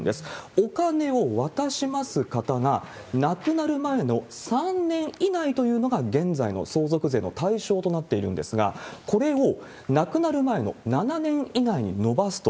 お金を渡します方が亡くなる前の３年以内というのが現在の相続税の対象となっているんですが、これを亡くなる前の７年以内に延ばすと。